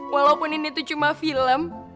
walaupun ini tuh cuma film